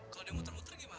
kalau dia muter muter gimana